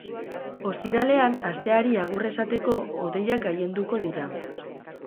Ostiralean, asteari agur esateko, hodeiak gailenduko dira.